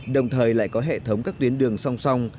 đồng thời lại có hệ thống các tuyến đường song song